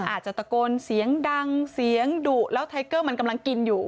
อาจจะตะโกนเสียงดังเสียงดุแล้วไทเกอร์มันกำลังกินอยู่